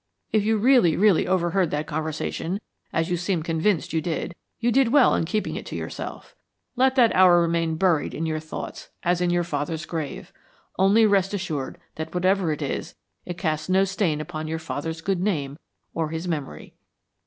If you really, really overheard that conversation, as you seem convinced you did, you did well in keeping it to yourself. Let that hour remain buried in your thoughts, as in your father's grave. Only rest assured that whatever it is, it casts no stain upon your father's good name or his memory."